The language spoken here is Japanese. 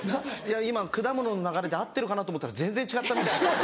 今果物の流れで合ってるかなと思ったら全然違ったみたいなんで。